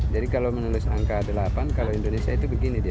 kalau menulis angka delapan kalau indonesia itu begini dia